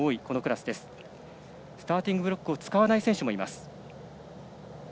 スターティングブロックを使わない選手もいます。